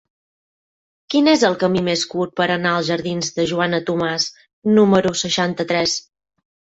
Quin és el camí més curt per anar als jardins de Joana Tomàs número seixanta-tres?